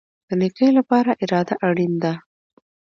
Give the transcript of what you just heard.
د نیکۍ لپاره اراده اړین ده